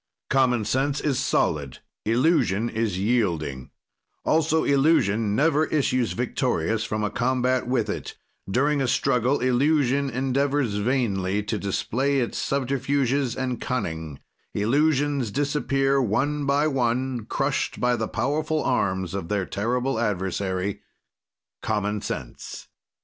Common sense is solid, illusion is yielding, also illusion never issues victorious from a combat with it; during a struggle illusion endeavors vainly to display its subterfuges and cunning; illusions disappear one by one, crusht by the powerful arms of their terrible adversary common sense.